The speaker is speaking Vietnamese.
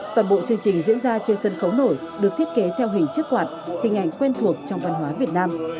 toàn bộ chương trình diễn ra trên sân khấu nổi được thiết kế theo hình chiếc quạt hình ảnh quen thuộc trong văn hóa việt nam